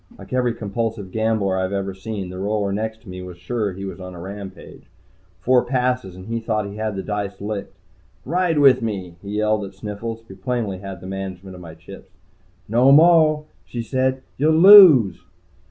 Like every compulsive gambler I've ever seen, the roller next to me was sure he was on a rampage. Four passes and he thought he had the dice licked. "Ride with me!" he yelled at Sniffles, who plainly had the management of my chips. "No moah," she said. "You'll lose."